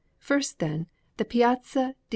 First, then, the Piazza di S.